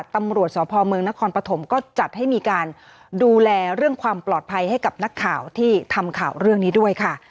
ตำรวจสพเมืองนครปฐมก็จัดให้มีการดูแลเรื่องความปลอดภัยให้กับนักข่าวที่ทำข่าวเรื่องนี้ด้วยค่ะ